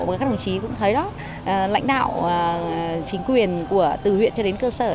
các đồng chí cũng thấy đó lãnh đạo chính quyền từ huyện cho đến cơ sở